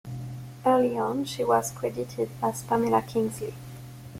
Early on she was credited as Pamela Kingsley.